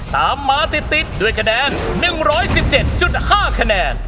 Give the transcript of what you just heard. ตามมาติดด้วยคะแนน๑๑๗๕คะแนน